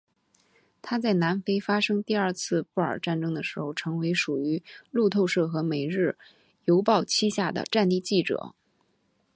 他在南非发生第二次布尔战争的时候成为属于路透社和每日邮报膝下的战地记者。